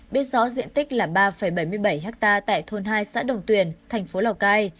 biết rõ diện tích là ba bảy mươi bảy hectare tại thôn hai xã đồng tuyền thành phố lào cai